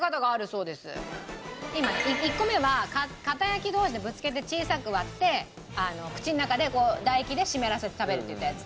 １個目はかた焼同士でぶつけて小さく割って口の中で唾液で湿らせて食べるといったやつ。